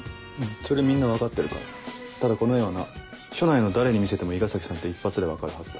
それみんな分かってるからただこの絵はな署内の誰に見せても伊賀崎さんって一発で分かるはずだ。